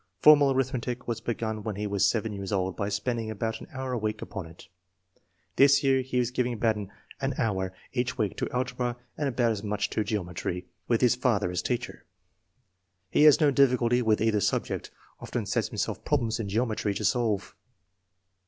Formal arithmetic was begun when he was 7 years old by spending about an hour a week upon it. This year he is giving about an hour each 258 INTELLIGENCE OP SCHOOL CHILDREN week to algebra and about as much to geometry, with his father as teacher. He has no difficulty with either subject. Often sets himself problems in geometry to solve.